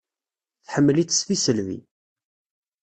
Tḥemmel-itt s tisselbi.